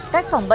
cách phòng bệnh